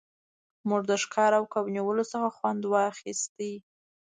موږ د ښکار او کب نیولو څخه خوند واخیست